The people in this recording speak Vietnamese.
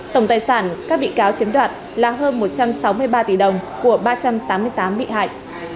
tổng tài sản các bị cáo chiếm đoạt là hơn một trăm sáu mươi ba tỷ đồng của ba trăm tám mươi tám bị hại